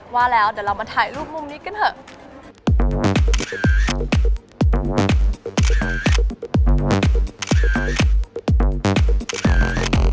ว่าแล้วเดี๋ยวเรามาถ่ายรูปมุมนี้กันเถอะ